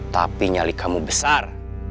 tapi nyali kamu besar